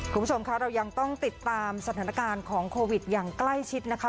คุณผู้ชมคะเรายังต้องติดตามสถานการณ์ของโควิดอย่างใกล้ชิดนะคะ